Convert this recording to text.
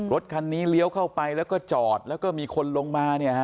รถคันนี้เลี้ยวเข้าไปแล้วก็จอดแล้วก็มีคนลงมาเนี่ยฮะ